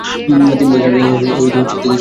তিন বছরের জন্য চুক্তিতে স্বাক্ষর করেন।